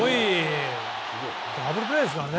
ダブルプレーですから。